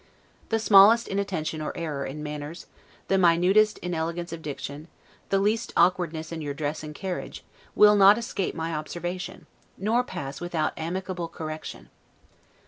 The smallest inattention or error in manners, the minutest inelegance of diction, the least awkwardness in your dress and carriage, will not escape my observation, nor pass without amicable correction.